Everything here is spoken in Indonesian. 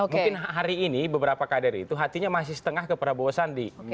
mungkin hari ini beberapa kader itu hatinya masih setengah ke prabowo sandi